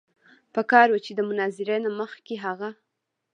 پکار وه چې د مناظرې نه مخکښې هغه